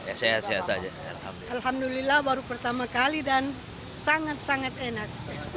alhamdulillah baru pertama kali dan sangat sangat enak